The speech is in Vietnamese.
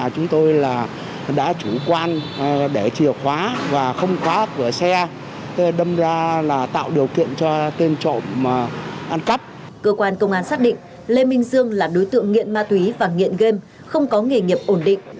cơ quan công an xác định lê minh dương là đối tượng nghiện ma túy và nghiện game không có nghề nghiệp ổn định